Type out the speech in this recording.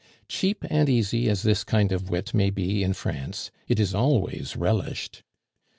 Cheap and easy as this kind of wit may be in France, it is always relished.